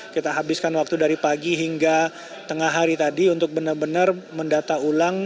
kita habiskan waktu dari pagi hingga tengah hari tadi untuk benar benar mendata ulang